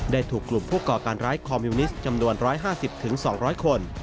ถูกกลุ่มผู้ก่อการร้ายคอมมิวนิสต์จำนวน๑๕๐๒๐๐คน